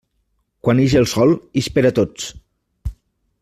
Quan ix el sol, ix per a tots.